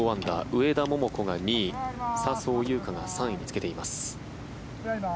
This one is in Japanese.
上田桃子が２位笹生優花が３位につけています。